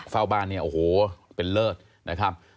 เฝ้าบ้านเนี่ยโอ้โหเป็นเลิศนะครับ